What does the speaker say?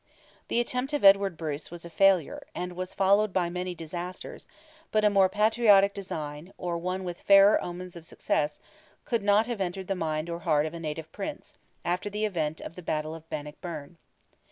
The attempt of Edward Bruce was a failure, and was followed by many disasters; but a more patriotic design, or one with fairer omens of success, could not have entered the mind or heart of a native Prince, after the event of the battle at Bannockburn.